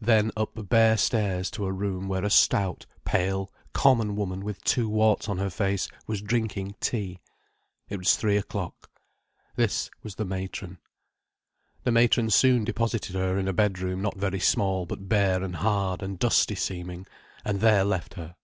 Then up bare stairs to a room where a stout, pale, common woman with two warts on her face, was drinking tea. It was three o'clock. This was the matron. The matron soon deposited her in a bedroom, not very small, but bare and hard and dusty seeming, and there left her.